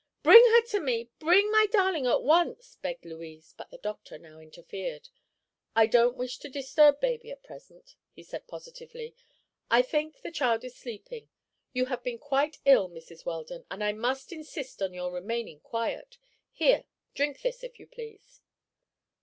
"Bring her to me; bring my darling at once!" begged Louise. But the doctor now interfered. "I don't wish to disturb baby at present," he said positively. "I think the child is sleeping. You have been quite ill, Mrs. Weldon, and I must insist on your remaining quiet. Here; drink this, if you please."